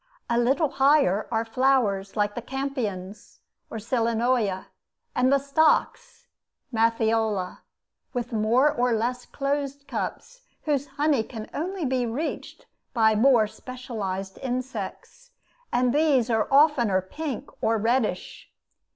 A little higher are flowers like the Campions or Sileneoe, and the stocks (Matthiola), with more or less closed cups, whose honey can only be reached by more specialized insects; and these are oftener pink or reddish.